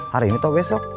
hari ini atau besok